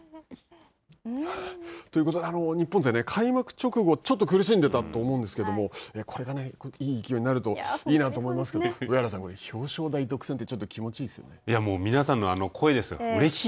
ということで、日本勢開幕直後ちょっと苦しんでたと思うんですけども、勢いになるといいなと思いますが上原さん、表彰台独占って皆さんの声ですよ。